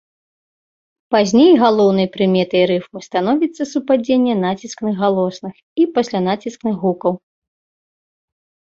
Пазней галоўнай прыметай рыфмы становіцца супадзенне націскных галосных і паслянаціскных гукаў.